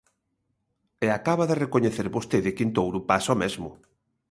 E acaba de recoñecer vostede que en Touro pasa o mesmo.